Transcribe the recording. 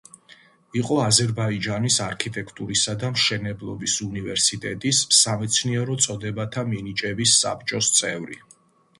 იყო აზერბაიჯანის არქიტექტურისა და მშენებლობის უნივერსიტეტის სამეცნიერო წოდებათა მინიჭების საბჭოს წევრი.